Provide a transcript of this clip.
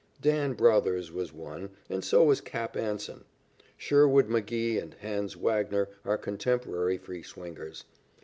"Dan" Brouthers was one, and so was "Cap" Anson. Sherwood Magee and "Hans" Wagner are contemporary free swingers.